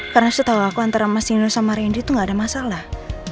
karena setahu aku antara mas sino sama rendy itu gak ada masalah